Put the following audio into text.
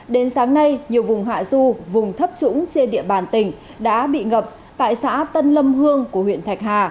đến sáng nay nhiều vùng hạ du vùng thấp trũng trên địa bàn tỉnh đã bị ngập tại xã tân lâm hương của huyện thạch hà